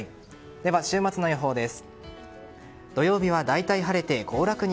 では、週末の予報です。